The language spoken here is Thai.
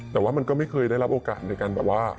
แต่ว่ามันก็ไม่เคยได้รับโอกาสในการแบบว่า